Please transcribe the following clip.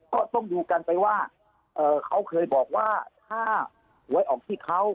ก็ต้องดูกันไปว่าเขาเคยบอกว่าถ้าหวยออกที่เขา